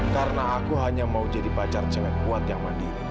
karena aku hanya mau jadi pacar cewek kuat yang mandiri